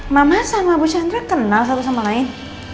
mama sama ibu chandra kenal satu sama lain